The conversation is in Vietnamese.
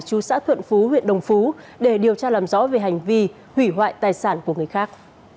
chú xã thuận phú huyện đồng phú để điều tra làm rõ về hành vi hủy hoại tài sản của người khác